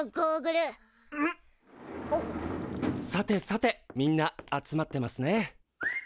さてさてみんな集まってますね。